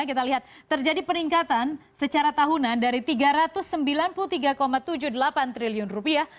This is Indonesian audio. kita lihat terjadi peningkatan secara tahunan dari tiga ratus sembilan puluh tiga tujuh puluh delapan triliun rupiah